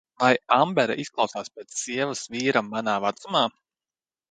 Vai Ambera izklausās pēc sievas vīram manā vecumā?